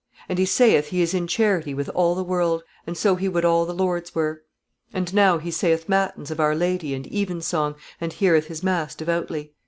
And he saith he is in charity with all the world, and so he would all the lords were. And now he saith matins of our Lady and even song, and heareth his mass devoutly."